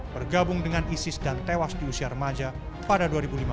bergabung dengan isis dan tewas di usia remaja pada dua ribu lima belas